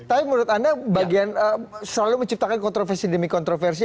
tapi menurut anda bagian selalu menciptakan kontroversi demi kontroversi